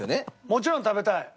もちろん食べたい！